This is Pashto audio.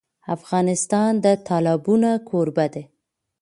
افغانستان د تالابونه کوربه دی.